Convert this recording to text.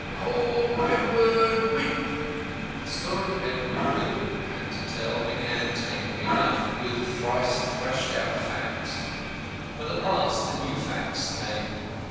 "Call Edward Wimp." The story EDWARD WIMP had to tell began tamely enough with thrice threshed out facts. But at last the new facts came.